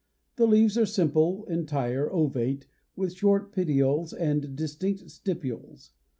The leaves are simple, entire, ovate, with short petioles and distinct stipules.